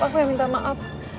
aku yang minta maaf